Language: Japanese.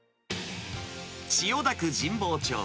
千代田区神保町。